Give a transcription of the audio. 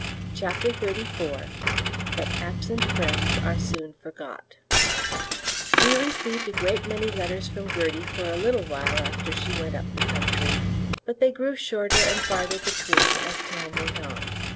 CHAPTER THIRTY FOUR But Absent Friends are Soon Forgot We received a great many letters from Gertie for a little while after she went up the country, but they grew shorter and farther between as time went on.